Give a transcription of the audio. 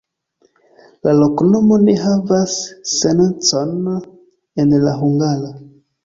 La loknomo ne havas sencon en la hungara.